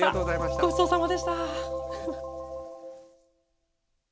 ごちそうさまでした！